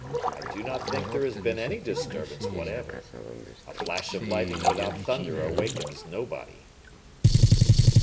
I do not think there has been any disturbance whatever. A flash of lightning without thunder awakens nobody."